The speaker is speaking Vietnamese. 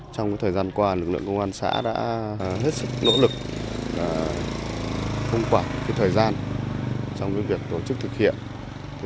trong thời gian qua lực lượng công an xã đã hết sức nỗ lực không quản thời gian trong việc tổ chức thực hiện